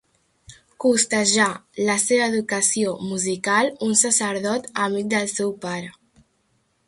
Costejà la seva educació musical un sacerdot amic del seu pare.